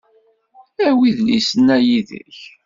Awi idlisen-a yid-k.